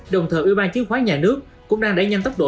đồng thời ủy ban chứng khoán nhà nước cũng đang đẩy nhanh tốc độ